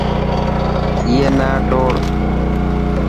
ائي نا توڙ.